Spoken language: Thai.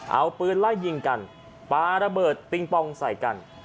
เอาปืนไล่ยิงกันปลาระเบิดปิงปองใส่กัน